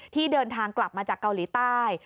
เดินทางกลับมาจากเกาหลีใต้